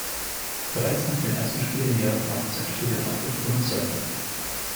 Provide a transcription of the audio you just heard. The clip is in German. Bereits nach dem ersten Studienjahr brach er sein Studium ab und fuhr nach Zagreb.